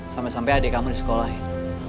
sampai sampai adik kamu disekolahin